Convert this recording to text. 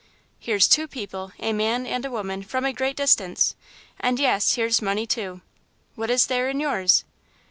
"Here's two people, a man and a woman, from a great distance, and, yes, here's money, too. What is there in yours?"